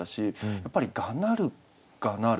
やっぱり「我鳴るがなる」。